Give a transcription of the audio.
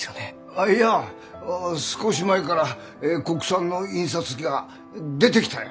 あっいや少し前から国産の印刷機が出てきたよ。